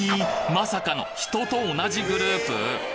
まさかのヒトと同じグループ！？